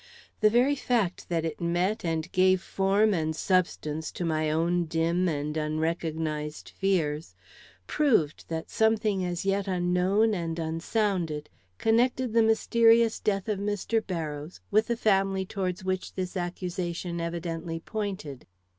The very fact that it met and gave form and substance to my own dim and unrecognized fears, proved that something as yet unknown and unsounded connected the mysterious death of Mr. Barrows with the family towards which this accusation evidently pointed.